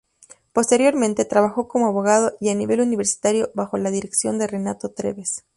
Posteriormente, trabajó como abogado y a nivel universitario bajo la dirección de Renato Treves.